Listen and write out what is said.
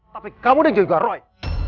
tapi kamu dan juga roy